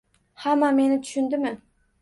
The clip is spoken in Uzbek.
Hamma meni tushundimi